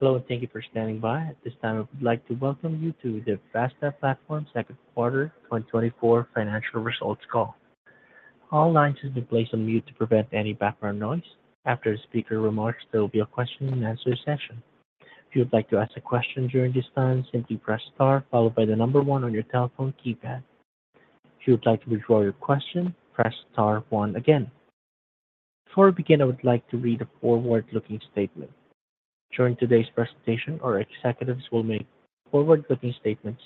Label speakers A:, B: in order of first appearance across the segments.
A: Hello, and thank you for standing by. At this time, I would like to welcome you to the Vasta Platform Second Quarter 2024 Financial Results Call. All lines have been placed on mute to prevent any background noise. After the speaker remarks, there will be a question-and-answer session. If you would like to ask a question during this time, simply press star followed by the number one on your telephone keypad. If you would like to withdraw your question, press star one again. Before we begin, I would like to read a forward-looking statement. During today's presentation, our executives will make forward-looking statements.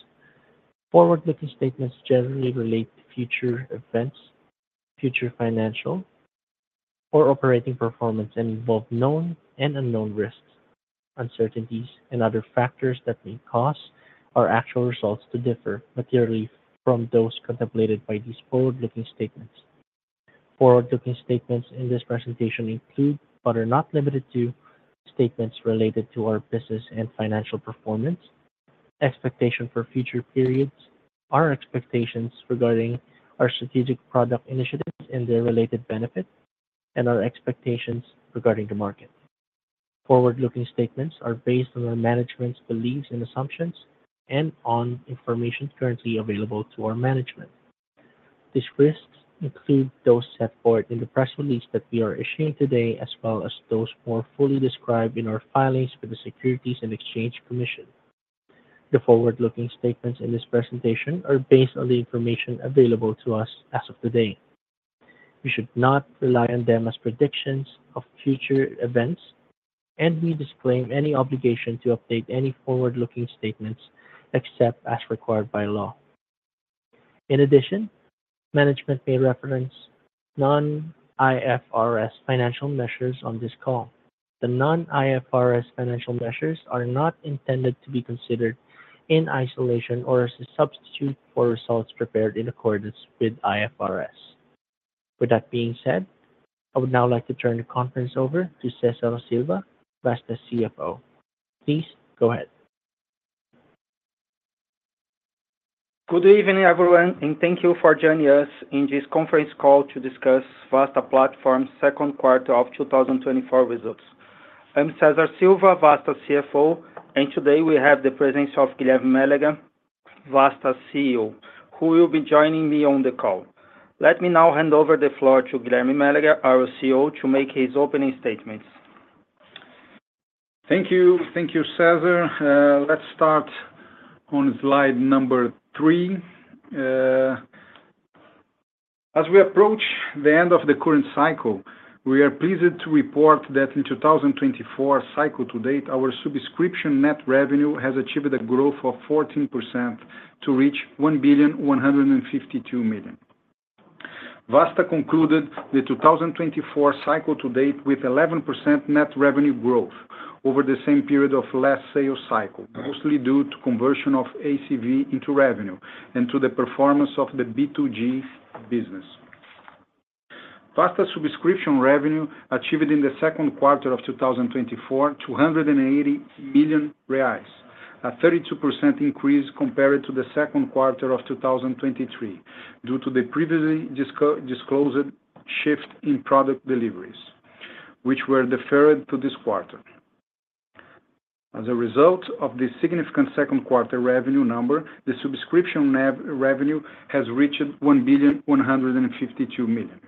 A: Forward-looking statements generally relate to future events, future financial or operating performance, and involve known and unknown risks, uncertainties, and other factors that may cause our actual results to differ materially from those contemplated by these forward-looking statements. Forward-looking statements in this presentation include, but are not limited to, statements related to our business and financial performance, expectations for future periods, our expectations regarding our strategic product initiatives and their related benefits, and our expectations regarding the market. Forward-looking statements are based on our management's beliefs and assumptions and on information currently available to our management. These risks include those set forth in the press release that we are issuing today, as well as those more fully described in our filings with the Securities and Exchange Commission. The forward-looking statements in this presentation are based on the information available to us as of today. We should not rely on them as predictions of future events, and we disclaim any obligation to update any forward-looking statements except as required by law. In addition, management may reference non-IFRS financial measures on this call. The non-IFRS financial measures are not intended to be considered in isolation or as a substitute for results prepared in accordance with IFRS. With that being said, I would now like to turn the conference over to Cesar Silva, Vasta CFO. Please go ahead.
B: Good evening, everyone, and thank you for joining us in this conference call to discuss Vasta Platform Second Quarter of 2024 results. I'm Cesar Silva, Vasta CFO, and today we have the presence of Guilherme Mélega, Vasta CEO, who will be joining me on the call. Let me now hand over the floor to Guilherme Mélega, our CEO, to make his opening statements.
C: Thank you. Thank you, Cesar. Let's start on slide number three. As we approach the end of the current cycle, we are pleased to report that in the 2024 cycle to date, our subscription net revenue has achieved a growth of 14% to reach 1,152 million. Vasta concluded the 2024 cycle to date with 11% net revenue growth over the same period of last sales cycle, mostly due to the conversion of ACV into revenue and to the performance of the B2G business. Vasta's subscription revenue achieved in the second quarter of 2024 280 million reais, a 32% increase compared to the second quarter of 2023 due to the previously disclosed shift in product deliveries, which were deferred to this quarter. As a result of this significant second quarter revenue number, the subscription revenue has reached 1,152 million,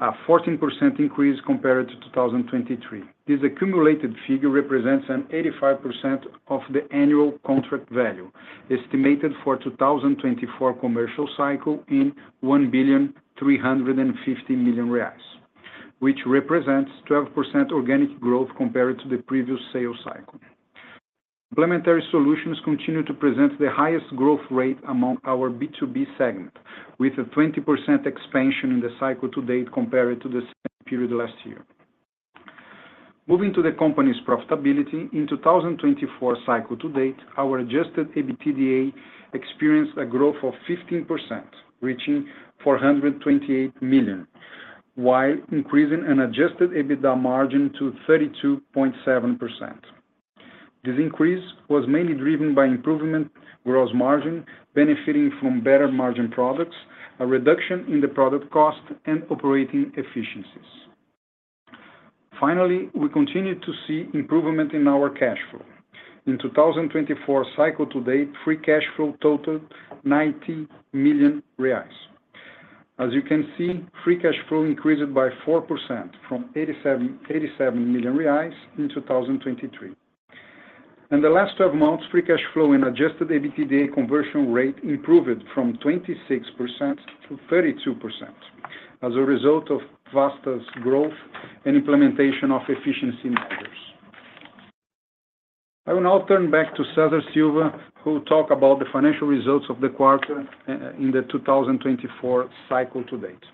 C: a 14% increase compared to 2023. This accumulated figure represents 85% of the annual contract value estimated for the 2024 commercial cycle in 1,350 million reais, which represents a 12% organic growth compared to the previous sales cycle. Complementary solutions continue to present the highest growth rate among our B2B segment, with a 20% expansion in the cycle to date compared to the same period last year. Moving to the company's profitability, in the 2024 cycle to date, our adjusted EBITDA experienced a growth of 15%, reaching 428 million, while increasing an adjusted EBITDA margin to 32.7%. This increase was mainly driven by improved gross margin, benefiting from better margin products, a reduction in the product cost, and operating efficiencies. Finally, we continue to see improvement in our cash flow. In the 2024 cycle to date, free cash flow totaled 90 million reais. As you can see, free cash flow increased by 4% from 87 million reais in 2023. In the last 12 months, free cash flow and Adjusted EBITDA conversion rate improved from 26%-32% as a result of Vasta's growth and implementation of efficiency measures. I will now turn back to Cesar Silva, who will talk about the financial results of the quarter in the 2024 cycle to date.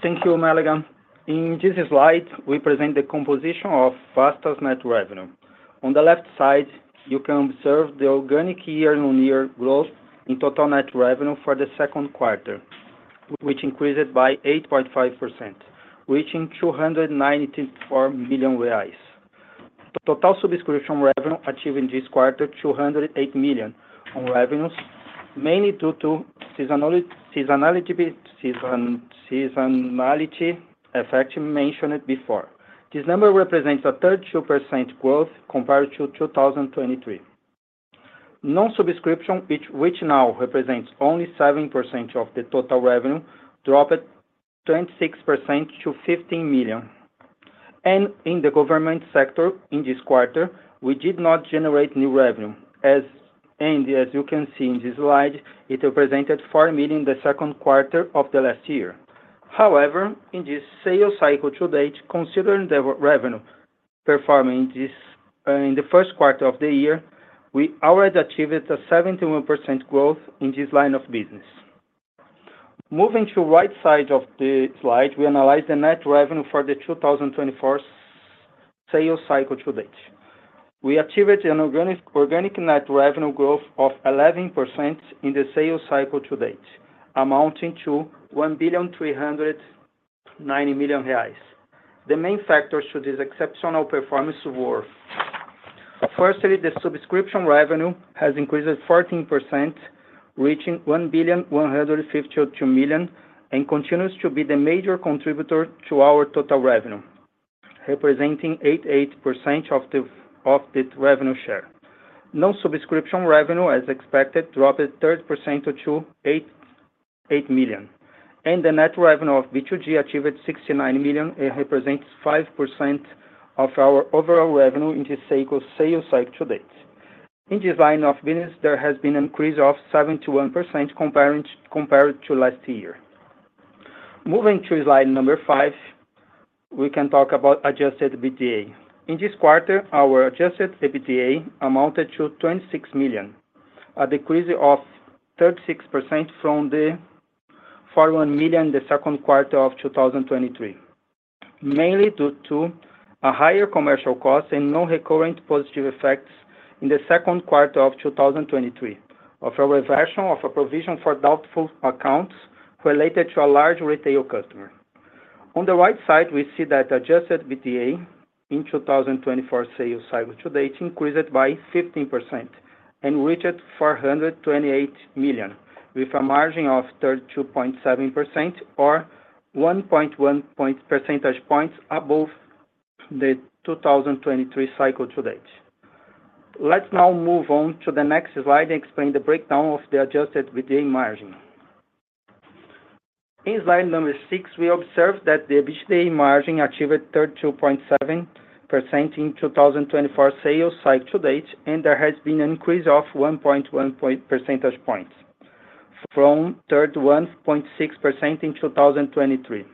B: Thank you, Mélega. In this slide, we present the composition of Vasta's net revenue. On the left side, you can observe the organic year-on-year growth in total net revenue for the second quarter, which increased by 8.5%, reaching 294 million reais. Total subscription revenue achieved in this quarter was 208 million in revenues, mainly due to seasonality effect mentioned before. This number represents a 32% growth compared to 2023. Non-subscription, which now represents only 7% of the total revenue, dropped 26% to 15 million. In the government sector in this quarter, we did not generate new revenue, and as you can see in this slide, it represented 4 million in the second quarter of the last year. However, in this sales cycle to date, considering the revenue performing in the first quarter of the year, we already achieved a 71% growth in this line of business. Moving to the right side of the slide, we analyze the net revenue for the 2024 sales cycle to date. We achieved an organic net revenue growth of 11% in the sales cycle to date, amounting to 1,390 million reais. The main factors to this exceptional performance were: firstly, the subscription revenue has increased 14%, reaching 1,152 million, and continues to be the major contributor to our total revenue, representing 88% of the revenue share. Non-subscription revenue, as expected, dropped 30% to 8 million, and the net revenue of B2G achieved 69 million and represents 5% of our overall revenue in this cycle sales cycle to date. In this line of business, there has been an increase of 71% compared to last year. Moving to slide number five, we can talk about Adjusted EBITDA. In this quarter, our adjusted EBITDA amounted to 26 million, a decrease of 36% from the 41 million in the second quarter of 2023, mainly due to higher commercial costs and non-recurring positive effects in the second quarter of 2023, a reversal of a provision for doubtful accounts related to a large retail customer. On the right side, we see that adjusted EBITDA in the 2024 sales cycle to date increased by 15% and reached 428 million, with a margin of 32.7% or 1.1 percentage points above the 2023 cycle to date. Let's now move on to the next slide and explain the breakdown of the adjusted EBITDA margin. In slide number six, we observe that the EBITDA margin achieved 32.7% in the 2024 sales cycle to date, and there has been an increase of 1.1 percentage points from 31.6% in 2023.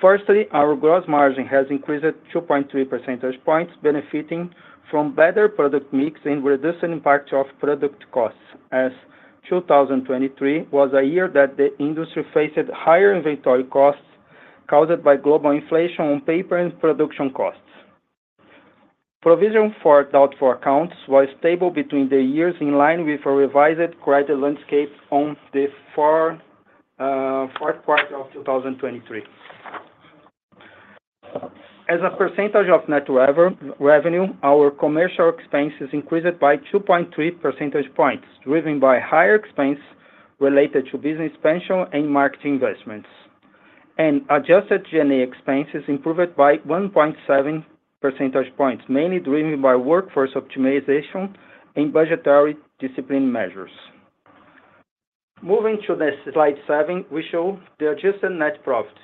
B: Firstly, our gross margin has increased 2.3 percentage points, benefiting from better product mix and reduced impact of product costs, as 2023 was a year that the industry faced higher inventory costs caused by global inflation on paper and production costs. Provision for doubtful accounts was stable between the years, in line with a revised credit landscape on the fourth quarter of 2023. As a percentage of net revenue, our commercial expenses increased by 2.3 percentage points, driven by higher expenses related to business expansion and market investments, and adjusted G&A expenses improved by 1.7 percentage points, mainly driven by workforce optimization and budgetary discipline measures. Moving to slide 7, we show the adjusted net profit.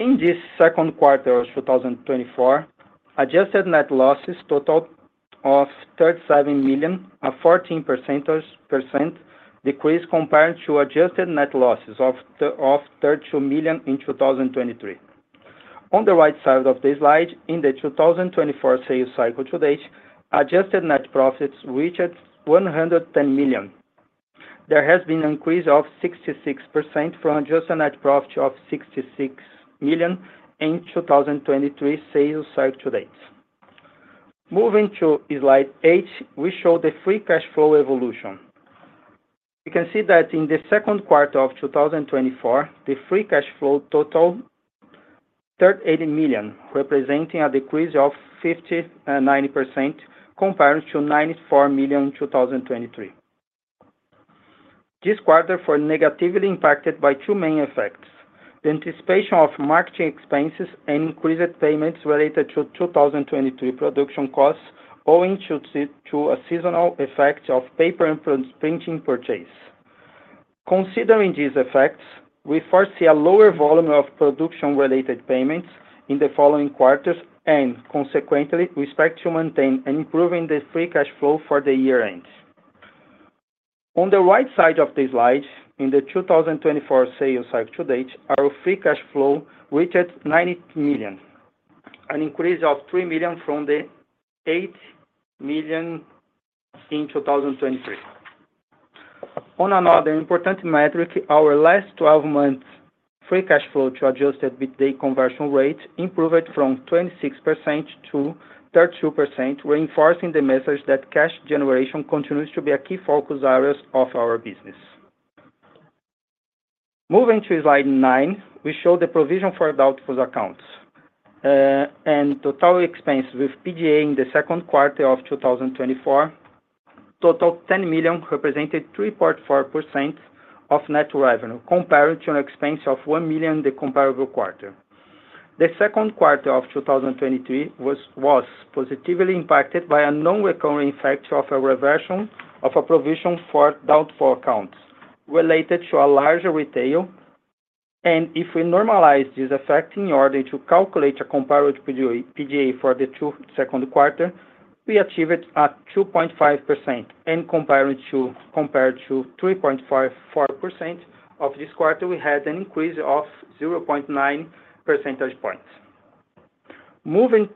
B: In this second quarter of 2024, adjusted net losses totaled 37 million, a 14% decrease compared to adjusted net losses of 32 million in 2023. On the right side of the slide, in the 2024 sales cycle to date, adjusted net profits reached 110 million. There has been an increase of 66% from adjusted net profit of 66 million in the 2023 sales cycle to date. Moving to slide eight, we show the free cash flow evolution. You can see that in the second quarter of 2024, the free cash flow totaled 38 million, representing a decrease of 59% compared to 94 million in 2023. This quarter was negatively impacted by two main effects: the anticipation of marketing expenses and increased payments related to 2023 production costs, owing to a seasonal effect of paper and printing purchase. Considering these effects, we foresee a lower volume of production-related payments in the following quarters and, consequently, we expect to maintain an improvement in the free cash flow for the year-end. On the right side of the slide, in the 2024 sales cycle to date, our free cash flow reached 90 million, an increase of 3 million from the 8 million in 2023. On another important metric, our last 12 months' free cash flow to Adjusted EBITDA conversion rate improved from 26% to 32%, reinforcing the message that cash generation continues to be a key focus area of our business. Moving to slide 9, we show the provision for doubtful accounts and total expenses with PDA in the second quarter of 2024. Total 10 million represented 3.4% of net revenue, compared to an expense of 1 million in the comparable quarter. The second quarter of 2023 was positively impacted by a non-recurring effect of a reversion of a provision for doubtful accounts related to a larger retail, and if we normalize this effect in order to calculate a comparative PDA for the second quarter, we achieved a 2.5%, and compared to 3.4% of this quarter, we had an increase of 0.9 percentage points. Moving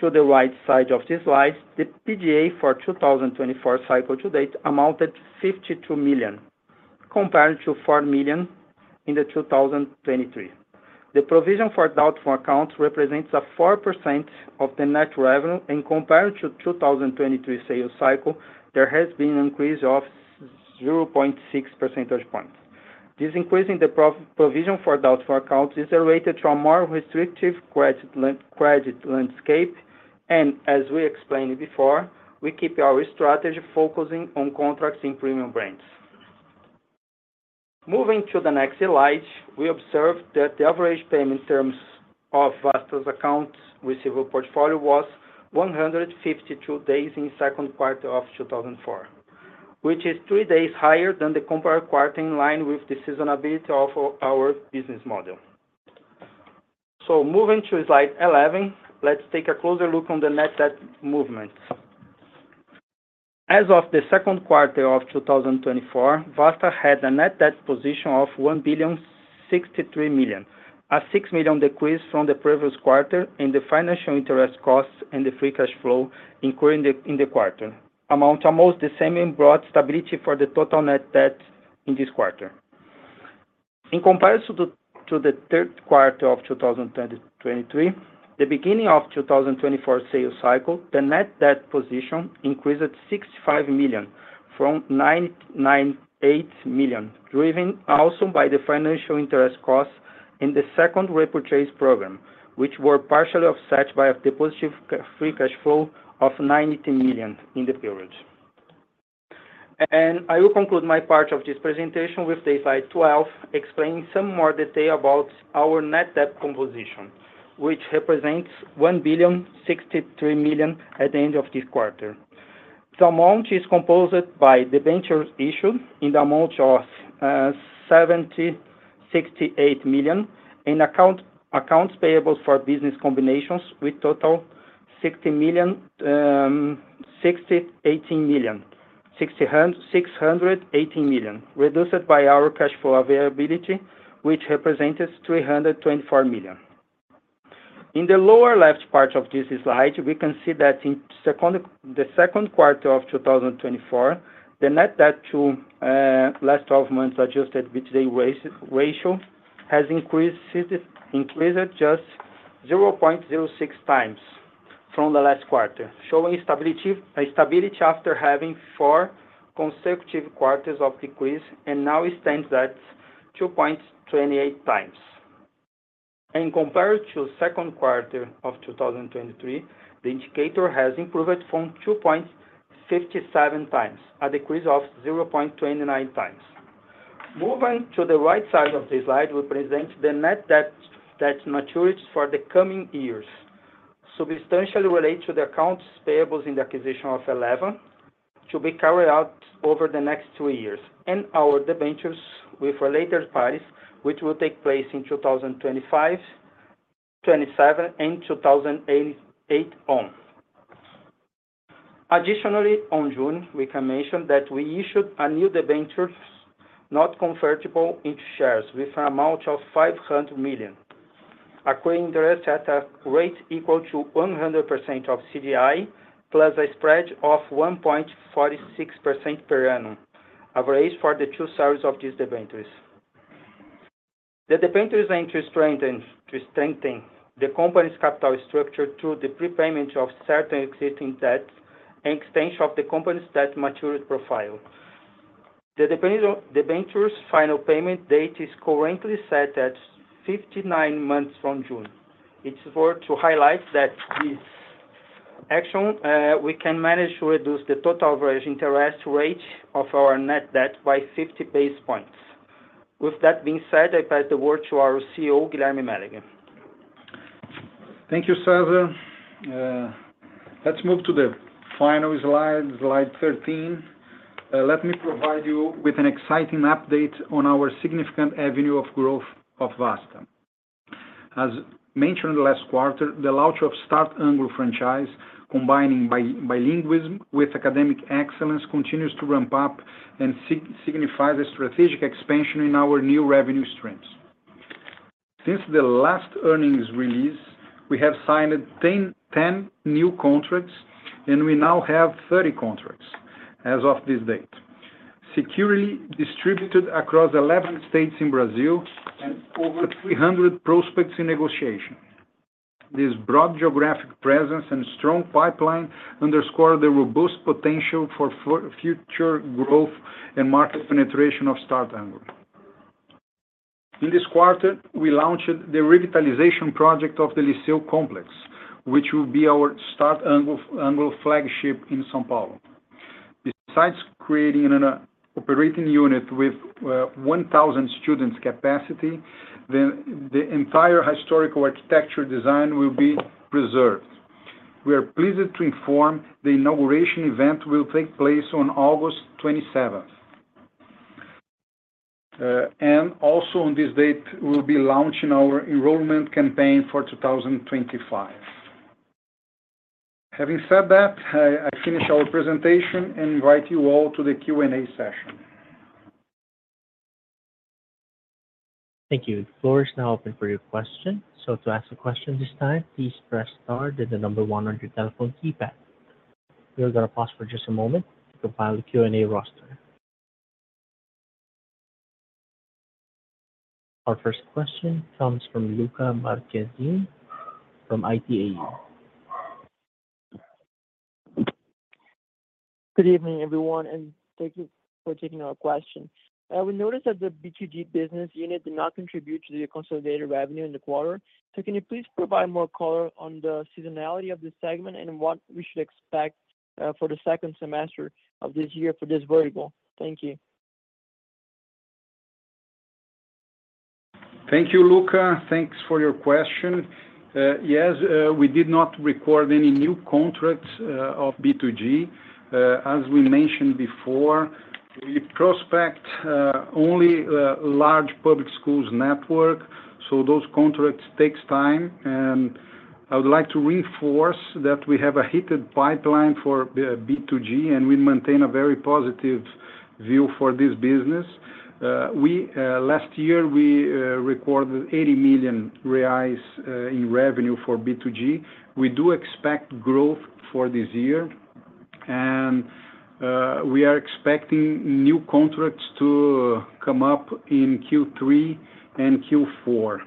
B: to the right side of the slide, the PDA for the 2024 cycle to date amounted to 52 million, compared to 4 million in 2023. The provision for doubtful accounts represents 4% of the net revenue, and compared to the 2023 sales cycle, there has been an increase of 0.6 percentage points. This increase in the provision for doubtful accounts is related to a more restrictive credit landscape, and as we explained before, we keep our strategy focusing on contracts in premium brands. Moving to the next slide, we observe that the average payment terms of Vasta's accounts receivable portfolio was 152 days in the second quarter of 2024, which is three days higher than the comparative quarter, in line with the seasonality of our business model. So, moving to slide 11, let's take a closer look at the net debt movement. As of the second quarter of 2024, Vasta had a net debt position of 1,063 million, a 6 million decrease from the previous quarter in the financial interest costs and the free cash flow incurred in the quarter, amounting to almost the same in broad stability for the total net debt in this quarter. In comparison to the third quarter of 2023, the beginning of the 2024 sales cycle, the net debt position increased 65 million from 998 million, driven also by the financial interest costs and the second repurchase program, which were partially offset by a deposit of free cash flow of 90 million in the period. I will conclude my part of this presentation with slide 12, explaining some more detail about our net debt composition, which represents 1,063 million at the end of this quarter. The amount is composed by the debenture issued in the amount of 706.8 million and accounts payable for business combinations, with a total of 618 million, 618 million, reduced by our cash flow availability, which represents 324 million. In the lower left part of this slide, we can see that in the second quarter of 2024, the net debt to last 12 months' Adjusted EBITDA ratio has increased just 0.06x from the last quarter, showing stability after having four consecutive quarters of decrease, and now stands at 2.28x. Compared to the second quarter of 2023, the indicator has improved from 2.57x, a decrease of 0.29x. Moving to the right side of the slide, we present the net debt maturities for the coming years, substantially related to the accounts payable in the acquisition of Eleva to be carried out over the next three years, and our debentures with related parties, which will take place in 2025, 2027, and 2028 on. Additionally, in June, we can mention that we issued a new debenture not convertible into shares with an amount of 500 million, acquiring interest at a rate equal to 100% of CDI, plus a spread of 1.46% per annum, averaged for the two series of these debentures. The debentures aim to strengthen the company's capital structure through the prepayment of certain existing debts and extension of the company's debt maturity profile. The debenture's final payment date is currently set at 59 months from June. It's worth to highlight that with this action, we can manage to reduce the total average interest rate of our net debt by 50 basis points. With that being said, I pass the word to our CEO, Guilherme Mélega.
C: Thank you, Cesar. Let's move to the final slide, slide 13. Let me provide you with an exciting update on our significant avenue of growth of Vasta. As mentioned last quarter, the launch of Start Anglo franchise, combining bilingualism with academic excellence, continues to ramp up and signifies a strategic expansion in our new revenue streams. Since the last earnings release, we have signed 10 new contracts, and we now have 30 contracts as of this date, securely distributed across 11 states in Brazil and over 300 prospects in negotiation. This broad geographic presence and strong pipeline underscore the robust potential for future growth and market penetration of Start Anglo. In this quarter, we launched the revitalization project of the Liceu Complex, which will be our Start Anglo flagship in São Paulo. Besides creating an operating unit with 1,000 students' capacity, the entire historical architecture design will be preserved. We are pleased to inform the inauguration event will take place on August 27. Also on this date, we will be launching our enrollment campaign for 2025. Having said that, I finish our presentation and invite you all to the Q&A session.
A: Thank you. The floor is now open for your questions. So, to ask a question this time, please press star and the number 1 on your telephone keypad. We're going to pause for just a moment to compile the Q&A roster. Our first question comes from Luca Marchesin from Itaú.
D: Good evening, everyone, and thank you for taking our question. We noticed that the B2G business unit did not contribute to the consolidated revenue in the quarter. So, can you please provide more color on the seasonality of this segment and what we should expect for the second semester of this year for this vertical? Thank you. Thank you, Luca. Thanks for your question. Yes, we did not record any new contracts of B2G.
B: As we mentioned before, we prospect only large public schools network, so those contracts take time. And I would like to reinforce that we have a heated pipeline for B2G, and we maintain a very positive view for this business. Last year, we recorded 80 million reais in revenue for B2G. We do expect growth for this year, and we are expecting new contracts to come up in Q3 and Q4.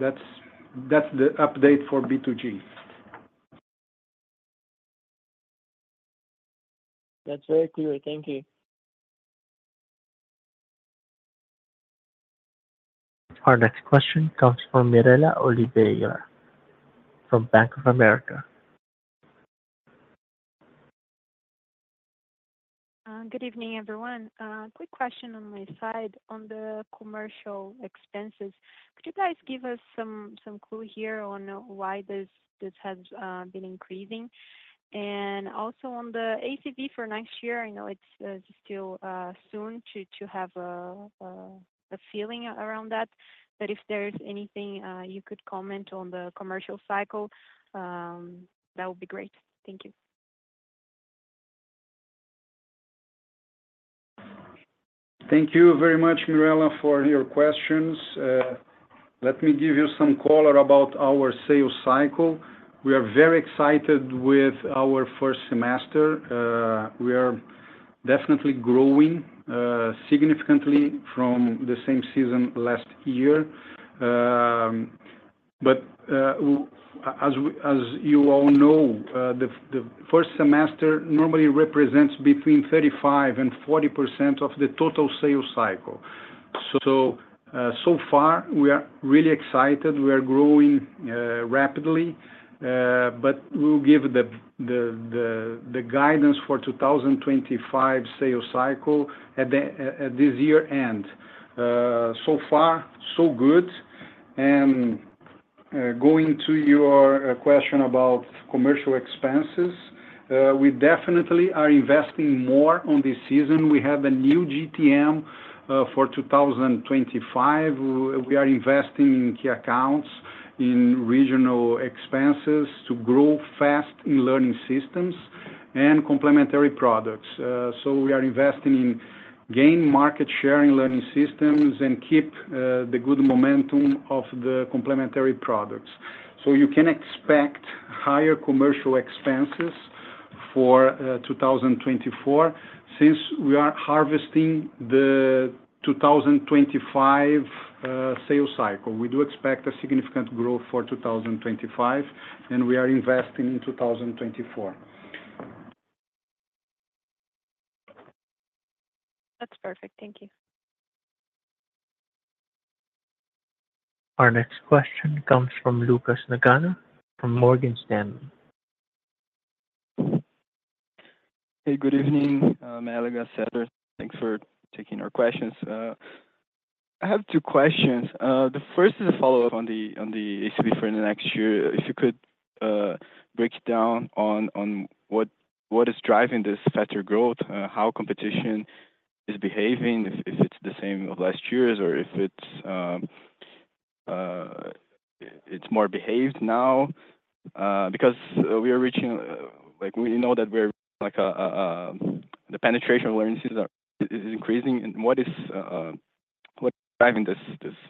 B: That's the update for B2G.
D: That's very clear. Thank you.
A: Our next question comes from Mirela Oliveira from Bank of America.
E: Good evening, everyone. Quick question on my side on the commercial expenses. Could you guys give us some clue here on why this has been increasing? And also on the ACV for next year, I know it's still soon to have a feeling around that, but if there's anything you could comment on the commercial cycle, that would be great. Thank you.
B: Thank you very much, Mirela, for your questions. Let me give you some color about our sales cycle. We are very excited with our first semester. We are definitely growing significantly from the same season last year. But as you all know, the first semester normally represents between 35%-40% of the total sales cycle. So, so far, we are really excited. We are growing rapidly, but we'll give the guidance for the 2025 sales cycle at this year's end. So far, so good. And going to your question about commercial expenses, we definitely are investing more on this season. We have a new GTM for 2025. We are investing in key accounts in regional expenses to grow fast in learning systems and complementary products. So, we are investing in gaining market share in learning systems and keeping the good momentum of the complementary products. So, you can expect higher commercial expenses for 2024 since we are harvesting the 2025 sales cycle. We do expect a significant growth for 2025, and we are investing in 2024.
E: That's perfect. Thank you.
A: Our next question comes from Lucas Nagano from Morgan Stanley.
F: Hey, good evening. Mélega, Cesar. Thanks for taking our questions. I have two questions. The first is a follow-up on the ACV for the next year. If you could break it down on what is driving this better growth, how competition is behaving, if it's the same as last year's or if it's more behaved now, because we are reaching where we know that the penetration of learning systems is increasing. And what is driving this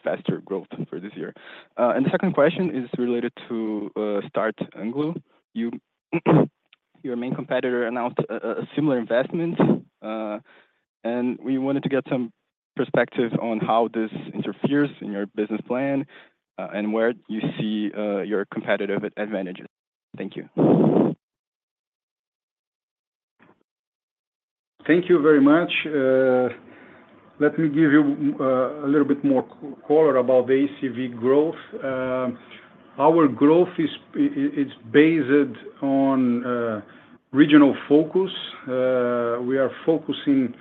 F: faster growth for this year? And the second question is related to Start Anglo. Your main competitor announced a similar investment, and we wanted to get some perspective on how this interferes in your business plan and where you see your competitive advantages. Thank you.
B: Thank you very much. Let me give you a little bit more color about the ACV growth. Our growth is based on regional focus. We are focusing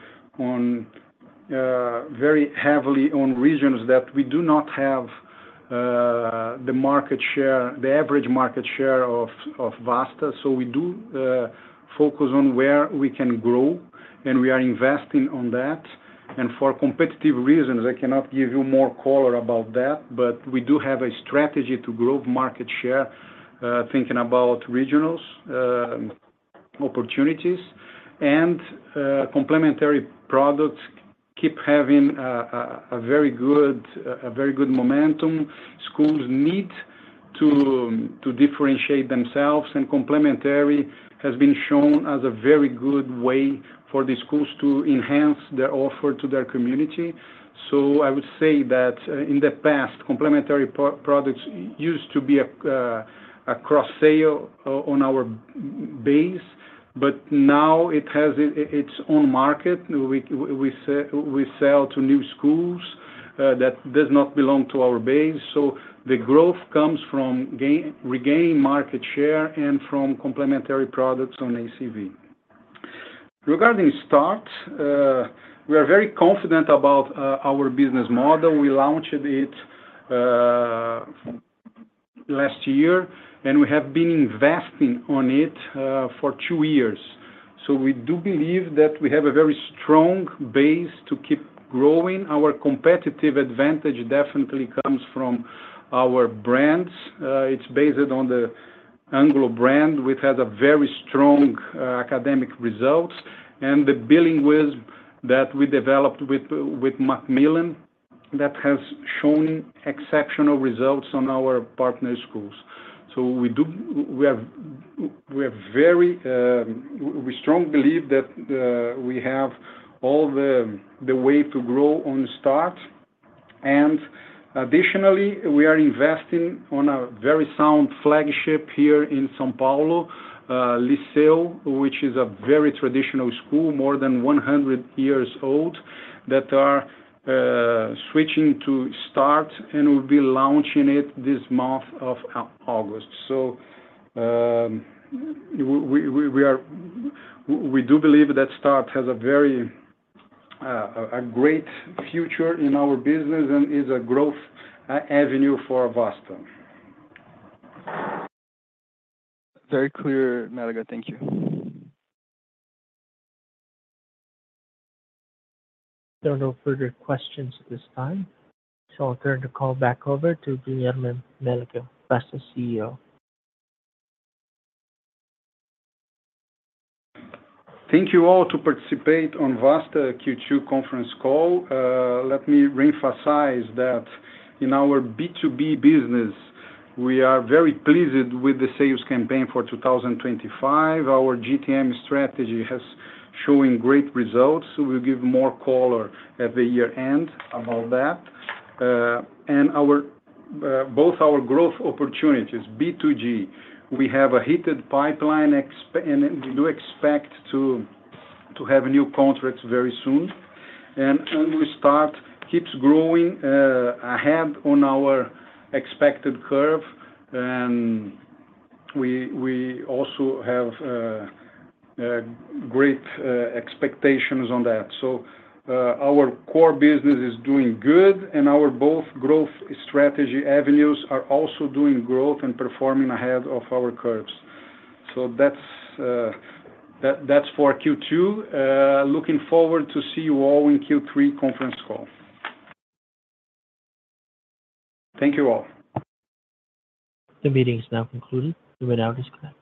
B: very heavily on regions that we do not have the market share, the average market share of Vasta. So, we do focus on where we can grow, and we are investing on that. And for competitive reasons, I cannot give you more color about that, but we do have a strategy to grow market share, thinking about regional opportunities. And complementary products keep having a very good momentum. Schools need to differentiate themselves, and complementary has been shown as a very good way for the schools to enhance their offer to their community. So, I would say that in the past, complementary products used to be a cross-sale on our base, but now it has its own market. We sell to new schools that do not belong to our base. So, the growth comes from regaining market share and from complementary products on ACV. Regarding Start, we are very confident about our business model. We launched it last year, and we have been investing on it for two years. So, we do believe that we have a very strong base to keep growing. Our competitive advantage definitely comes from our brands. It's based on the Anglo brand, which has very strong academic results. And the bilingualism that we developed with Macmillan, that has shown exceptional results on our partner schools. So, we strongly believe that we have all the way to grow on Start. And additionally, we are investing on a very sound flagship here in São Paulo, Liceu, which is a very traditional school, more than 100 years old, that are switching to Start, and we'll be launching it this month of August. So, we do believe that Start has a great future in our business and is a growth avenue for Vasta.
F: Very clear, Mélega. Thank you.
B: There are no further questions at this time. So, I'll turn the call back over to Guilherme Mélega, Vasta CEO. Thank you all to participate on Vasta Q2 conference call. Let me reemphasize that in our B2B business, we are very pleased with the sales campaign for 2025. Our GTM strategy has shown great results. We'll give more color at the year's end about that. Both our growth opportunities, B2G, we have a heated pipeline, and we do expect to have new contracts very soon. Start Anglo keeps growing ahead on our expected curve, and we also have great expectations on that. Our core business is doing good, and both our growth strategy avenues are also doing growth and performing ahead of our curves. That's for Q2. Looking forward to seeing you all in Q3 conference call. Thank you all.
A: The meeting is now concluded. You will now disconnect.